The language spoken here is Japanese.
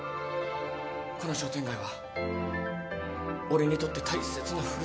この商店街は俺にとって大切な古里です。